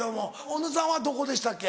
小野さんはどこでしたっけ？